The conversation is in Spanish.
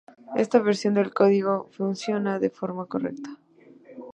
Esta versión del código funciona de forma correcta.